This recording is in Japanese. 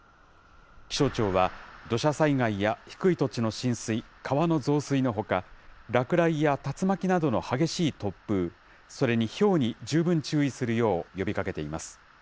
気象庁は、土砂災害や低い土地の浸水、川の増水のほか、落雷や竜巻などの激しい突風、それにひょうに十分注意するよう呼びかけています。